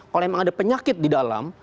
kalau memang ada penyakit di dalam